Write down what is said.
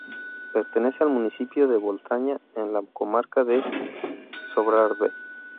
Pertenece al municipio de Boltaña, en la comarca de Sobrarbe.